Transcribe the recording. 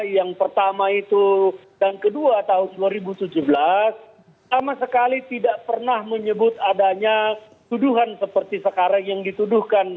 yang pertama itu dan kedua tahun dua ribu tujuh belas sama sekali tidak pernah menyebut adanya tuduhan seperti sekarang yang dituduhkan